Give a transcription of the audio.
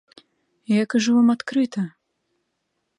Я кажу вам адкрыта.